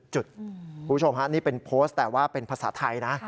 คุณผู้ชมฮะนี่เป็นโพสต์แต่ว่าเป็นภาษาไทยนะ